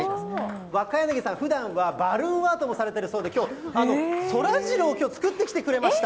若柳さん、ふだんはバルーンアートもされているそうで、きょう、そらジローをきょう、作ってきてくれました。